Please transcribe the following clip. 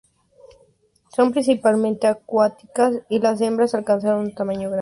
Son principalmente acuáticas, y las hembras alcanzan un tamaño grande.